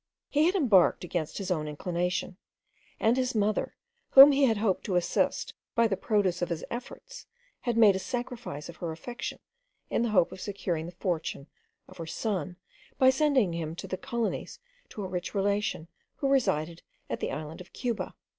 He had embarked against his own inclination; and his mother, whom he had hoped to assist by the produce of his efforts, had made a sacrifice of her affection in the hope of securing the fortune of her son, by sending him to the colonies to a rich relation, who resided at the island of Cuba.